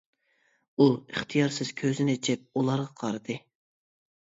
ئۇ ئىختىيارسىز كۆزىنى ئېچىپ ئۇلارغا قارىدى.